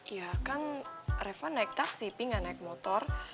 iya kan reva naik taksi pih gak naik motor